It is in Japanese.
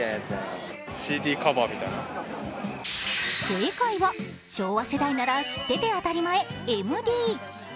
正解は昭和世代なら知ってて当たり前、ＭＤ。